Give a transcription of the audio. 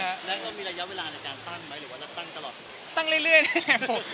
แล้วก็มีระยะเวลาในการตั้งไหมหรือว่าตั้งตลอด